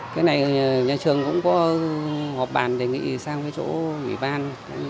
cái này nhà trường cũng có họp bàn đề nghị sang cái chỗ ủy ban